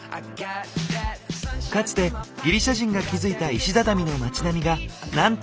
かつてギリシャ人が築いた石畳の町並みがなんともフォトジェニック。